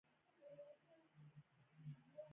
راتلونکی به لا حیرانوونکی وي.